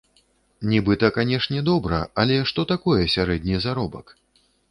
Нібыта, канешне, добра, але што такое сярэдні заробак?